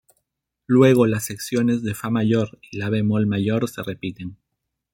Luego las secciones de fa mayor y la bemol mayor se repiten.